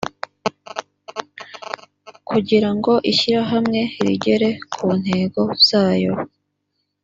kugira ngo ishyirahamwe rigere ku ntego zayo